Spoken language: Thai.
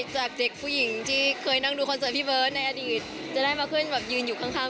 จากเด็กผู้หญิงที่เคยนั่งดูคอนเสิร์ตพี่เบิร์ตในอดีตจะได้มาขึ้นแบบยืนอยู่ข้าง